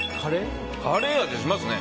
カレー味、しますね。